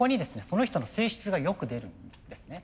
その人の性質がよく出るんですね。